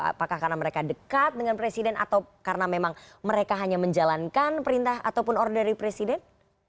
apakah karena mereka dekat dengan presiden atau karena memang mereka hanya menjalankan perintah ataupun order dari presiden